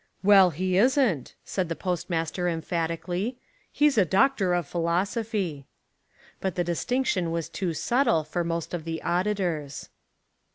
"Well, he isn't," said the postmaster emphatically; "he's a Doctor of Philosophy." But the distinction was too subtle for most of the auditors.